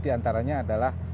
di antaranya adalah